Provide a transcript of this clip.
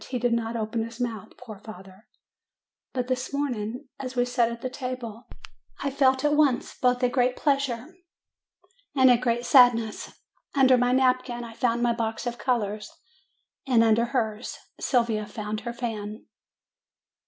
He did not open his mouth, poor father ! But this morning, as we sat at the table, I felt at once both a great pleasure and a great sadness : under my napkin I found my box of colors, and under hers, Sylvia found her fan.